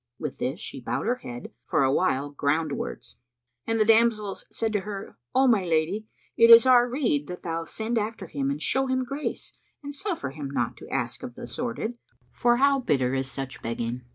With this, she bowed her head for a while ground wards and the damsels said to her, "O my lady, it is our rede that thou send after him and show him grace and suffer him not ask of the sordid; for how bitter is such begging!"